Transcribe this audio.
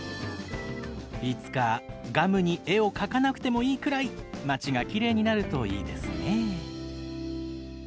いつかガムに絵を描かなくてもいいくらい町がきれいになるといいですね。